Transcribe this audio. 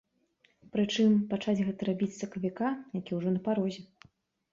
Прычым, пачаць гэта рабіць з сакавіка, які ўжо на парозе.